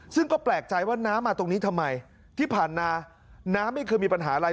ซึ่งก็แปลกใจว่าน้ำมาตรงนี้ทำไมที่ผ่านมาน้ำไม่เคยมีปัญหาอะไร